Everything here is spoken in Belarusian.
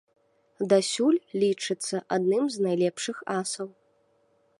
Дасюль лічыцца адным з найлепшых асаў.